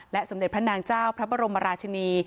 สมเด็จพระนางเจ้าพระบรมราชินี